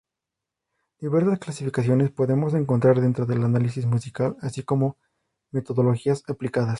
Diversas clasificaciones podemos encontrar dentro del análisis musical así como metodologías aplicadas.